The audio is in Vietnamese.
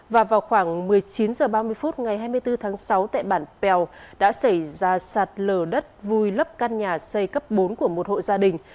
và vào khoảng một mươi chín h ba mươi phút ngày hai mươi bốn tháng sáu tại bản pèo đã xảy ra sạt lở đất vùi lấp căn nhà xây cấp bốn của một hộ gia đình